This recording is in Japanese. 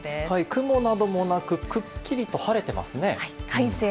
雲などもなく、くっきりと晴れてますね。